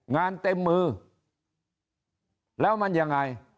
งานเต็มมือแล้วมันยังไง